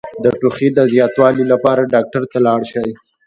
د ټوخي د زیاتوالي لپاره ډاکټر ته لاړ شئ